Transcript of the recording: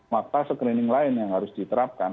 maka screening lain yang harus diterapkan